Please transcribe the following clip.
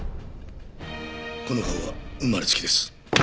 この顔は生まれつきです。